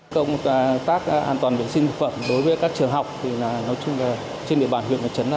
công tác an toàn vệ sinh thực phẩm đối với các trường học thì nói chung là trên địa bàn huyện mặt trận